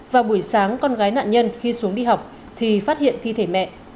vào buổi sáng con gái nạn nhân khi xuống đi học thì phát hiện thi thể mẹ